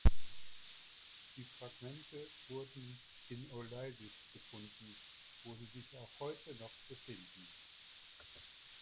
Die Fragmente wurden in Eleusis gefunden, wo sie sich auch heute noch befinden.